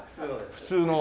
普通ので。